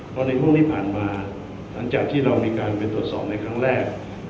พอในห่วงที่ผ่านมาหลังจากที่เรามีการไปตรวจสอบในครั้งแรก